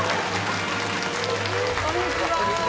こんにちは。